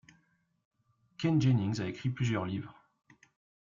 Ken Jennings a écrit plusieurs livres.